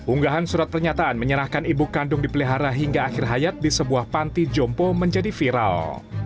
unggahan surat pernyataan menyerahkan ibu kandung dipelihara hingga akhir hayat di sebuah panti jompo menjadi viral